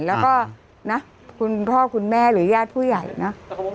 แล้วก็นะคุณพ่อคุณแม่หรือญาติผู้ใหญ่นะ